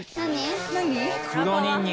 何？